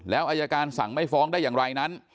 อายการสั่งไม่ฟ้องได้อย่างไรนั้น